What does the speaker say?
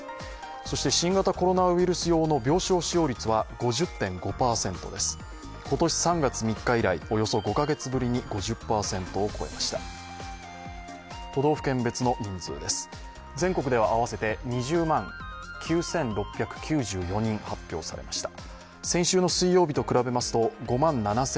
新型コロナウイルス用の病床使用率は５０．５％で、今年３月３日以来、およそ５カ月ぶりに５０％を超えました。